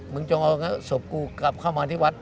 จงเอาศพกูกลับเข้ามาที่วัด